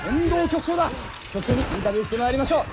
局長にインタビューしてまいりましょう。